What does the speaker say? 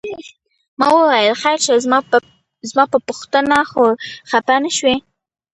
ما وویل خیر شه زما په پوښتنه خو خپه نه شوې؟